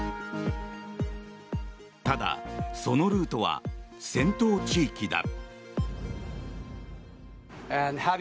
ただ、そのルートは戦闘地域だ。